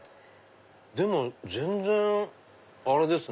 でも全然あれですね。